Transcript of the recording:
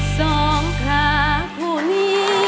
สงขาภูนิ